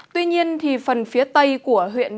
tuy nhiên phần phía tây của huyện nam bộ